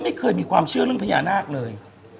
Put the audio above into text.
ไม่เคยมีความเชื่อเรื่องพญานาคเลย